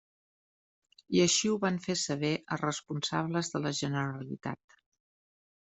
I així ho van fer saber a responsables de la Generalitat.